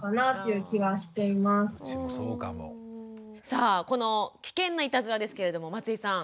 さあこの危険ないたずらですけれども松井さん